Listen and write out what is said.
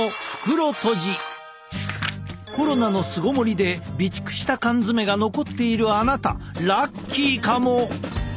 コロナの巣ごもりで備蓄した缶詰が残っているあなたラッキーかも！